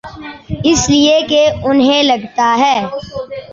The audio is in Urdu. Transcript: اس لئے کہ انہیں لگتا ہے۔